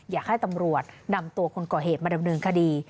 อย่าให้ตำรวจนำตัวคนก่อเหตุมาเริ่มหนึ่งคดี